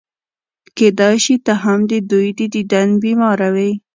کېدای شي ته هم د دوی د دیدن بیماره وې.